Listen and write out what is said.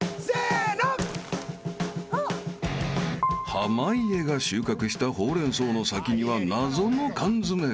［濱家が収穫したホウレンソウの先には謎の缶詰が］